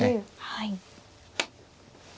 はい。